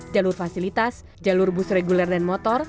jalur fasilitas jalur bus reguler dan motor